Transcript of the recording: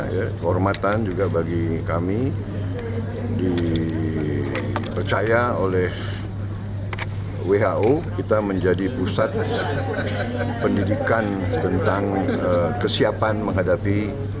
kehormatan juga bagi kami dipercaya oleh who kita menjadi pusat pendidikan tentang kesiapan menghadapi